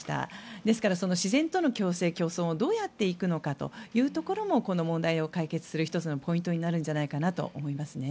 ですから自然との共生・共存をどうやっていくのかもこの問題を解決する１つのポイントになるんじゃないかなと思いますね。